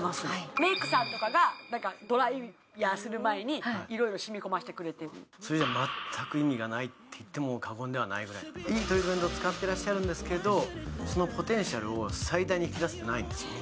メイクさんとかがドライヤーする前にいろいろしみこませてくれてるそれじゃ全く意味がないっていっても過言ではないぐらいいいトリートメントを使ってらっしゃるんですけどそのポテンシャルを最大に引き出せてないんですよね